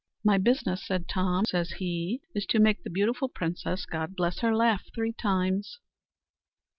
"My business," said Tom, says he, "is to make the beautiful princess, God bless her, laugh three times."